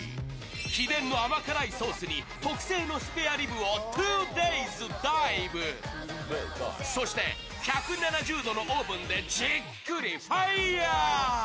秘伝の甘辛いソースに特製のスペアリブを２ピースダイブそして１７０度のオーブンでじっくりファイヤー！